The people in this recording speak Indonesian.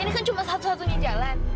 ini kan cuma satu satunya jalan